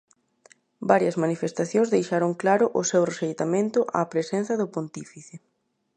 Varias manifestacións deixaron claro o seu rexeitamento á presenza do pontífice.